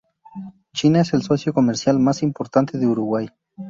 China es el socio comercial más importante de Uruguay.